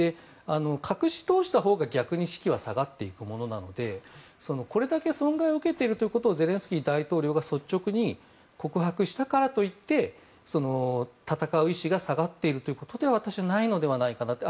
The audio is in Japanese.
隠し通したほうが逆に士気は下がっていくものなのでこれだけ損害を受けているということをゼレンスキー大統領が率直に告白したからといって戦う意思が下がっていることでは私はないのではないかと。